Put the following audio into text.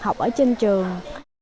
học ở trên trường